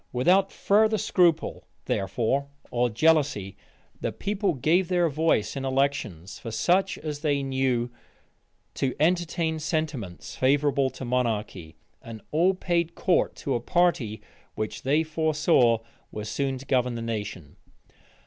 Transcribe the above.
Without further scruple, therefore, or jealousy, the people gave their voice in elections for such as they knew to entertain sentiments favorable to monarchy; and all paid court to a party, which they foresaw was soon to govern the nation.